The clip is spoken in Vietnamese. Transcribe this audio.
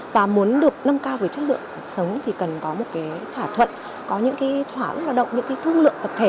và muốn được nâng cao về chất lượng về cuộc sống thì cần có một thỏa thuận có những thỏa ứng lao động những thương lượng tập thể